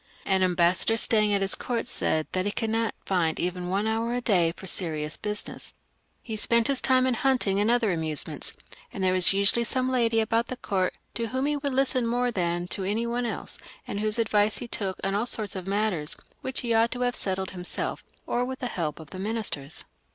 An ambas sador staying at his court said that he could not find even one hour a day for serious businesa He spent his time in hunting and other amusements, and there was usually some lady about the court to whom he would listen more than to any one else, and whose advice he took on all sorts of matters, which he ought to have settled himself, or with the help of the ministers.